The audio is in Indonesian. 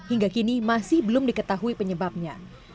hingga kini masih belum diketahui penyebabnya